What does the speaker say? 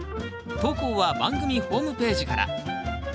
投稿は番組ホームページから。